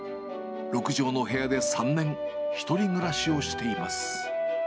６畳の部屋で３年、１人暮らしをしています。